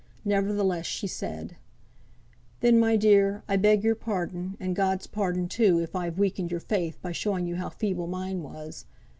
Nevertheless, she said, "Then, my dear, I ask your pardon, and God's pardon, too, if I've weakened your faith, by showing you how feeble mine was.